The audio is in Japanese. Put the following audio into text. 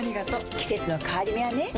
季節の変わり目はねうん。